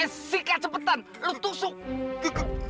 eh sikat cepetan lu tusuk gitu